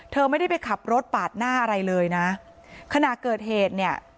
เธอไม่ได้ไปขับรถปาดหน้าอะไรเลยนะขณะเกิดเหตุเนี่ย